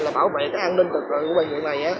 là bảo vệ cái an ninh thực lực của bệnh viện này